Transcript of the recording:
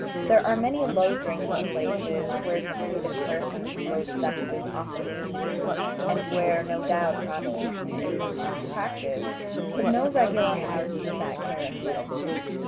There are many low drinking places where dissipated persons of both sexes often meet, and where, no doubt, prostitution is sometimes practiced, but no regular houses of that character."